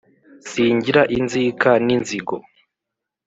singira inzika n’inzigo